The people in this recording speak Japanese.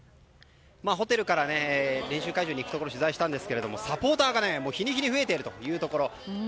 ホテルから練習会場に行くところを取材したんですがサポーターが日に日に増えているというところ。